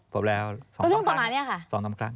พบแล้ว๒ครั้ง